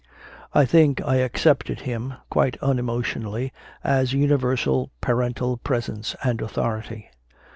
I think I accepted Him quite unemotion ally as a universal Parental Presence and Authority.